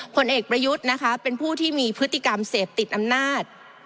ผลเอกประยุทธ์นะคะเป็นผู้ที่มีพฤติกรรมเสพติดอำนาจ